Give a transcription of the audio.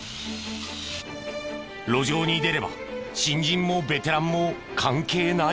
路上に出れば新人もベテランも関係ない。